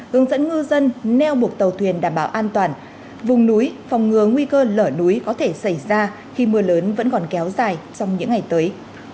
hướng dẫn ngư dân neo buộc tàu thuyền đảm bảo an toàn vùng núi phòng ngừa nguy cơ lở núi có thể xảy ra khi mưa lớn vẫn còn kéo dài trong những ngày tới